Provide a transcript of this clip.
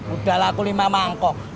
udah lah aku lima mangkok